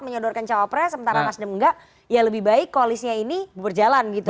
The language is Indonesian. menyedorkan jawabannya sementara mas dem enggak ya lebih baik koalisnya ini berjalan gitu